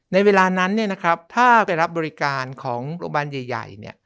ในเวลานั้นเนี่ยนะครับถ้าไปรับบริการของโรงพยาบาลใหญ่เนี่ย